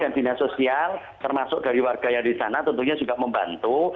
langsung dengan pne dan bnp termasuk dari warga yang di sana tentunya sudah membantu